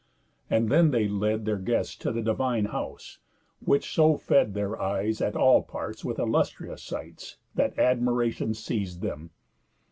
And then they led Their guests to the divine house; which so fed Their eyes at all parts with illustrious sights, That admiration seiz'd them.